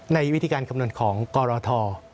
ในวิธีการคำนวณของกรท